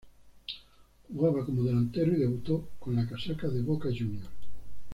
Jugaba como delantero y debutó con la casaca de Boca Juniors.